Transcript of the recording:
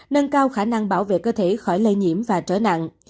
nâng cao khả năng bảo vệ cơ thể khỏi lây nhiễm và trở nặng